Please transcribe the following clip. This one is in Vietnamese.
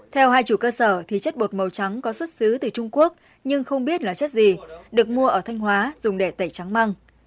theo hai chủ cơ sở thì chất bột màu trắng có xuất xứ từ trung quốc nhưng không biết là chất gì được mua ở thanh hóa dùng để tẩy trắng măng